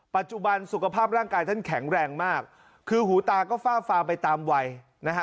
ปัจจุบันสุขภาพร่างกายท่านแข็งแรงมากคือหูตาก็ฝ้าฟางไปตามวัยนะฮะ